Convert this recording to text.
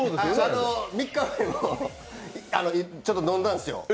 ３日前もちょっと飲んだんですよ。